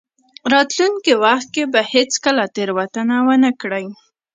راتلونکي وخت کې به هېڅکله تېروتنه ونه کړئ.